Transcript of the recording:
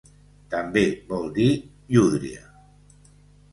També vol dir llúdria.